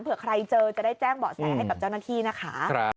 เผื่อใครเจอจะได้แจ้งเบาะแสให้กับเจ้าหน้าที่นะคะ